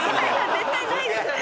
絶対ないですよね。